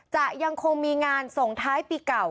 จะยังคงมีงานส่งท้ายปีเก่า